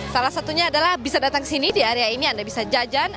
salah satunya adalah bisa datang ke sini di area ini anda bisa jajan